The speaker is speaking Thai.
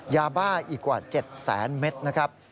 ยาบ้าอีกกว่า๗แสนเมตรนะครับ